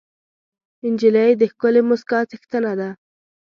نجلۍ د ښکلې موسکا څښتنه ده.